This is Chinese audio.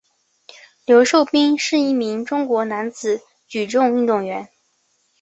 刘寿斌是一名中国男子举重运动员。